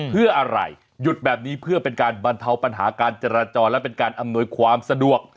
เพื่ออะไรหยุดแบบนี้เพื่อเป็นการบรรเทาปัญหาการจราจรและเป็นการอำนวยความสะดวก